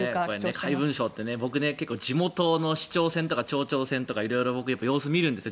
怪文書って僕、地元の市長選とか町長選とかいろいろ様子を見るんですよ。